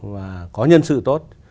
và có nhân sự tốt